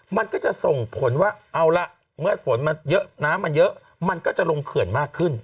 มันก็จะส่งผลว่าเอาละเมื่อฝนมันเยอะน้ำมันเยอะมันก็จะลงเขื่อนมากขึ้น